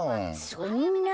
そんなあ。